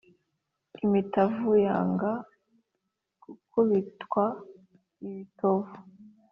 Imitavu yanga gukubitwa ibitovu